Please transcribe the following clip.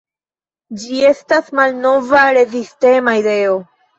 Ĝi estas malnova rezistema ideo?